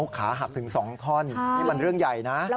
ขาหักถึง๒ท่อนนี่มันเรื่องใหญ่นะ